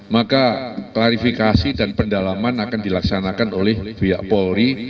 maka klarifikasi dan pendalaman akan dilaksanakan oleh biak polis